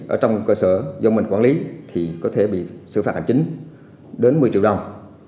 ở trong cơ sở do mình quản lý thì có thể bị xử phạt hành chính đến một mươi triệu đồng